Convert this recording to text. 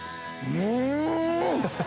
うん！